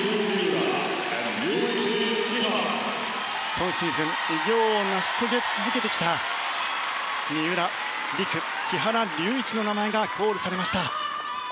今シーズン、偉業を成し遂げ続けてきた三浦璃来、木原龍一の名前がコールされました。